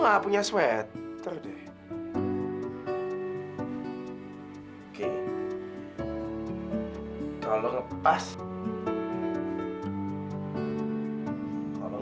saat ini saya sendiri berdiri di tangkapan of canvas